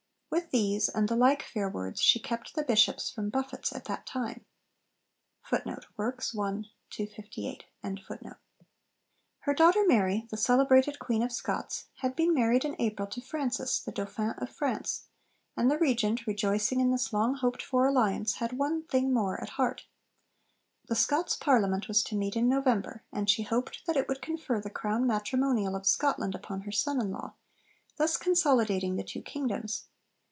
With these and the like fair words she kept the Bishops from buffets at that time.' Her daughter Mary, the celebrated Queen of Scots, had been married in April to Francis, the Dauphin of France, and the Regent, rejoicing in this long hoped for alliance, had one thing more at heart. The Scots Parliament was to meet in November, and she hoped that it would confer the crown 'Matrimonial' of Scotland upon her son in law, thus consolidating the two kingdoms.